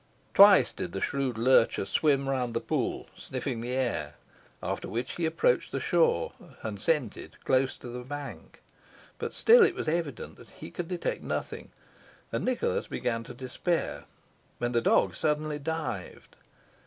Twice did the shrewd lurcher swim round the pool, sniffing the air, after which he approached the shore, and scented close to the bank; still it was evident he could detect nothing, and Nicholas began to despair, when the dog suddenly dived.